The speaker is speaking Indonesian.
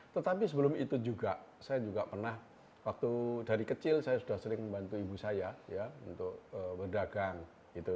tetapi sebelum itu juga saya juga pernah waktu dari kecil saya sudah sering membantu ibu saya ya untuk berdagang gitu